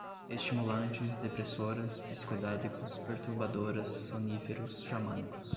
estimulantes, depressoras, psicodélicos, perturbadoras, soníferos, xamânicos